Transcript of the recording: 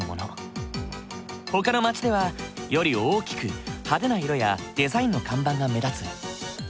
ほかの町ではより大きく派手な色やデザインの看板が目立つ。